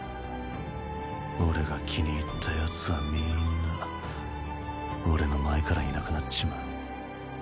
俺が気に入ったヤツはみんな俺の前からいなくなっちまう。